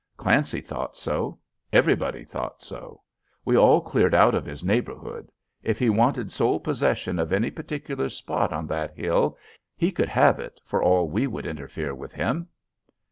Clancy thought so. Everybody thought so. We all cleared out of his neighbourhood. If he wanted sole possession of any particular spot on that hill, he could have it for all we would interfere with him.